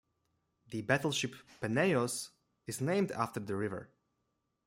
The battleship "Peneios" is named after the river.